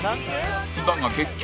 だが結局